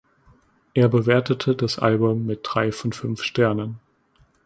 Er bewertete das Album mit drei von fünf Sternen.